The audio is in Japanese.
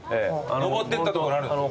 上ってったとこにあるんです。